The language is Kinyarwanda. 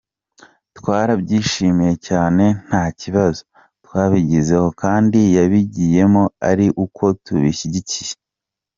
Twarabyishimiye cyane nta kibazo twabigizeho kandi yabigiyemo ari uko tubishyigikiye.